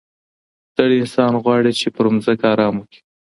ستړی انسان غواړي چي په ځمکه ارام وکړي.